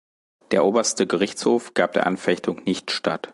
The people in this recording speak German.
Der Oberste Gerichtshof gab der Anfechtung nicht statt.